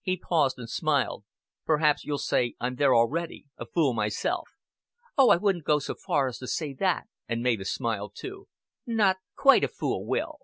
He paused, and smiled. "Perhaps you'll say I'm there already a fool myself." "Oh, I wouldn't go so far as to say that;" and Mavis smiled too. "Not quite a fool, Will."